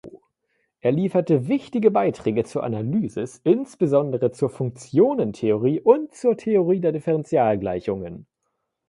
Er lieferte wichtige Beiträge zur Analysis, insbesondere zur Funktionentheorie und zur Theorie der Differentialgleichungen.